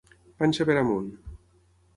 Panxa per amunt.